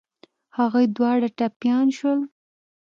هغوی دواړه ټپيان شول.